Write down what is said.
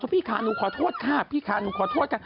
พี่ขาหนูขอโทษขอโทษ